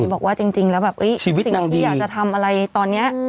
บอกว่าจริงแล้วแบบสิ่งที่อยากจะทำอะไรตอนนี้